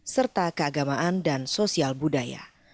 serta keagamaan dan sosial budaya